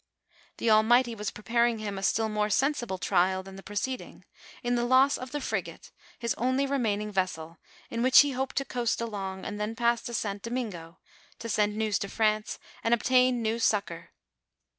The Almighty was preparing him a still more sensible trial than the preceding, in the loss of the frigate, his only re maining vessel in which he hoped to coast along, and then pass to St. Domingo, to send news to France, and obtain new succor.